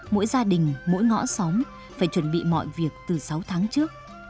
mỗi gia đình mỗi ngõ xóm phải chuẩn bị mọi việc từ sáu tháng trước